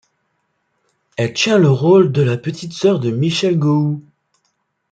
Elle tient le rôle de la petite sœur de Michel Gohou.